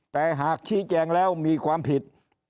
แต่หากชี้แจงแล้วมีความผิด